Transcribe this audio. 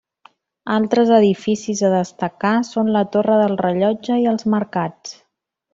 Altres edificis a destacar són la torre del rellotge i els mercats.